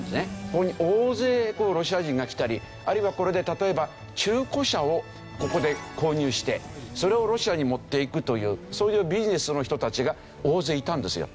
ここに大勢ロシア人が来たりあるいはこれで例えば中古車をここで購入してそれをロシアに持っていくというそういうビジネスの人たちが大勢いたんですよ。